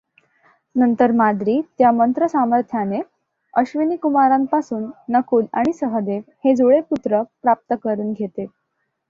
नंतर माद्री त्या मंत्रसामर्थ्याने अश्विनीकुमारांपासून नकुल आणि सहदेव हे जुळे पुत्र प्राप्त करून घेते.